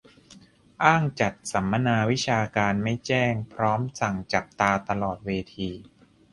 อ้างจัดสัมมนาวิชาการไม่แจ้ง พร้อมสั่งจับตาตลอดเวที